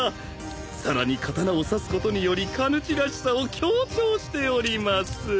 さらに刀を刺すことにより鍛人らしさを強調しております。